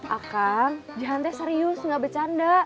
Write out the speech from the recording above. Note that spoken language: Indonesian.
akan jihante serius gak becanda